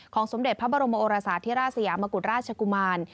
ของสมเด็จพระบรมโอราศาสตร์ที่ราศยามกุฎราชกุมาร